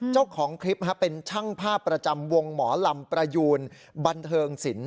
เจ้าของคลิปเป็นช่างภาพประจำวงหมอลำประยูนบันเทิงศิลป